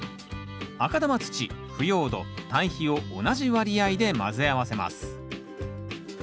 赤玉土腐葉土たい肥を同じ割合で混ぜ合わせます。